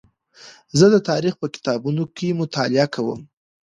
زه د تاریخ په کتابتون کې مطالعه کوم.